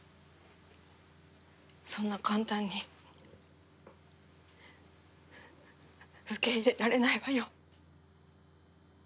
そんな簡単に受け入れられないわよ。